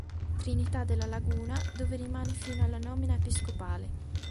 Trinità de la Laguna dove rimane fino alla nomina episcopale.